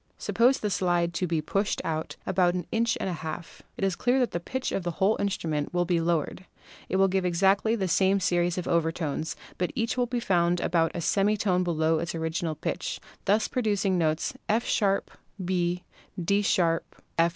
Suppose the slide to be pushed out about an inch and a half, it is clear that the pitch of the whole instrument will be lowered ; it will give exactly the same series of overtones, but each will be found about a semi tone below its original pitch, thus producing the notes F #, B, D #, F #.